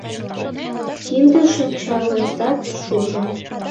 Кинде-шинчалетат шужо